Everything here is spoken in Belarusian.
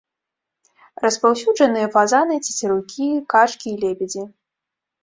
Распаўсюджаныя фазаны, цецерукі, качкі і лебедзі.